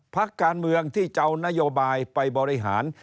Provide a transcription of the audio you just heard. พักการเมืองที่จะเอานโยบายไปบริหาร